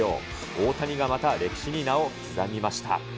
大谷がまた歴史に名を刻みました。